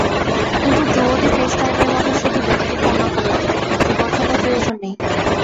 কিন্তু ডুয়োতে ফেসটাইমের মতো শুধু ব্যক্তির ফোন নম্বর লাগবে, নিবন্ধনের প্রয়োজন নেই।